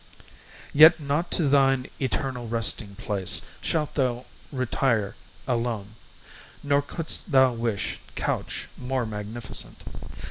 Yet not to thine eternal resting place Shalt thou retire alone, nor couldst thou wish Couch more magnificent.